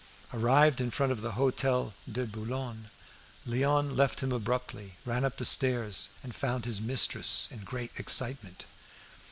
Arrived in front of the Hotel de Boulogne, Léon left him abruptly, ran up the stairs, and found his mistress in great excitement.